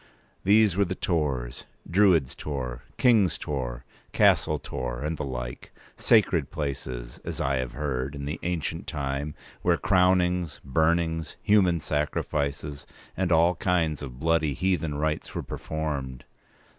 These were the Tors—Druids' Tor, King's Tor, Castle Tor, and the like; sacred places, as I have heard, in the ancient time, where crownings, burnings, human sacrifices, and all kinds of bloody heathen rites were performed.